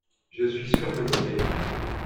Je suis sûr que vous aimiez.